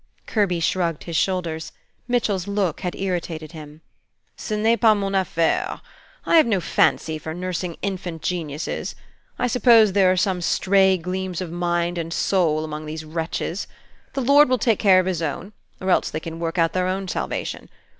Kirby shrugged his shoulders. Mitchell's look had irritated him. "Ce n'est pas mon affaire. I have no fancy for nursing infant geniuses. I suppose there are some stray gleams of mind and soul among these wretches. The Lord will take care of his own; or else they can work out their own salvation.